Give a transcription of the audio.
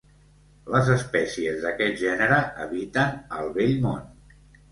Les espècies d'aquest gènere habiten al Vell Món.